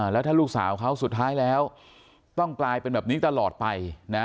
แล้วถ้าลูกสาวเขาสุดท้ายแล้วต้องกลายเป็นแบบนี้ตลอดไปนะ